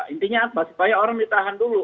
intinya apa supaya orang ditahan dulu